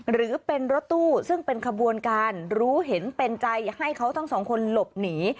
หรือเป็นรถตู้ซึ่งเป็นขบวนการรู้เห็นเป็นใจให้เขาทั้งสองคนหลบหนี